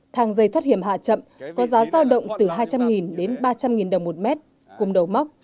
thang dây thoát hiểm hạ chậm có giá giao động từ hai trăm linh đến ba trăm linh đồng một mét cùng đầu móc